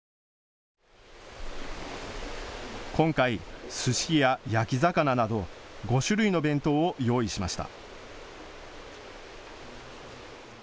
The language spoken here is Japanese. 今回、すしや焼き魚など５種類の弁当を用意しました。